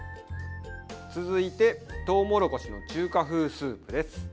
続いてとうもろこしの中華風スープです。